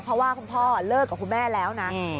เพราะว่าคุณพ่อเลิกกับคุณแม่แล้วนะ